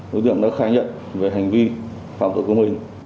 đối tượng đã khai nhận về hành vi phạm tội công hình